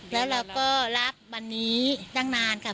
แล้วเราก็รับวันนี้ตั้งนานค่ะ